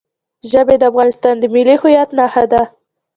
ژبې د افغانستان د ملي هویت نښه ده.